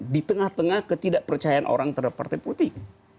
di tengah tengah ketidakpercayaan orang terhadap partai politik